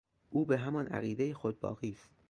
او به همان عقیدهٔ خود باقی است.